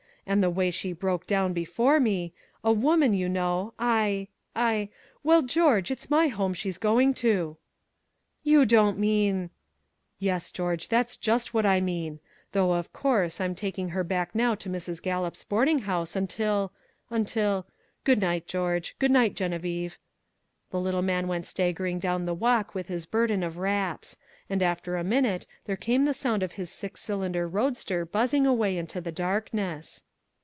And the way she broke down before me a woman, you know I I well, George, it's my home she's going to." "You don't mean " "Yes, George, that's just what I mean. Though, of course, I'm taking her back now to Mrs. Gallup's boarding house until until good night, George; good night, Geneviève." The little man went staggering down the walk with his burden of wraps; and after a minute there came the sound of his six cylinder roadster buzzing away into the darkness.